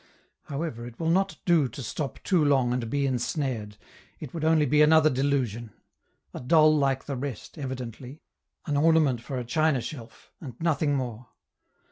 However, it will not do to stop too long and be ensnared it would only be another delusion. A doll like the rest, evidently, an ornament for a china shelf, and nothing more.